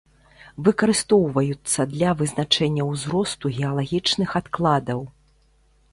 Выкарыстоўваюцца для вызначэння ўзросту геалагічных адкладаў.